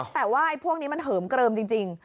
แต่ว่าพวกนี้มันเหิมเกลิมจริง